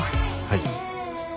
はい。